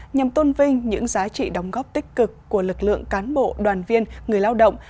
nhằm tôn vinh những giá trị đóng góp tích cực của lực lượng cán bộ đoàn viên người lao động